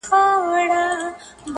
انصاف نه دی ترافیک دي هم امام وي,